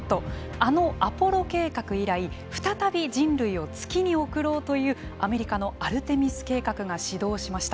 あのアポロ計画以来再び人類を月に送ろうというアメリカのアルテミス計画が始動しました。